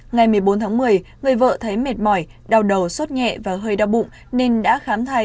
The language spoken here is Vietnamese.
ngày một mươi bốn tháng một mươi người vợ thấy mệt mỏi đau đầu suốt nhẹ và hơi đau bụng nên đã khám thai